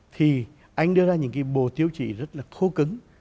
thì anh đưa ra những cái bồ tiêu chỉ rất là khô cứng